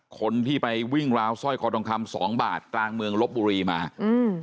คนที่ไปวิ่งราวสร้อยคอทองคำสองบาทกลางเมืองลบบุรีมาอืม